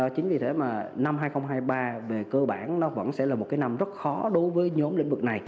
chính vì thế mà năm hai nghìn hai mươi ba về cơ bản nó vẫn sẽ là một cái năm rất khó đối với nhóm lĩnh vực này